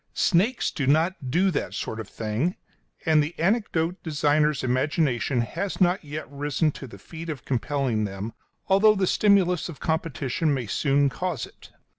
Snakes do not do that sort of thing, and the anecdote designer's imagination has not yet risen to the feat of compelling them, although the stimulus of competition may soon cause it.